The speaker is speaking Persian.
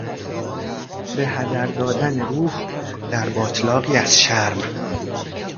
به هدر دادن روح در باتلاقی از شرم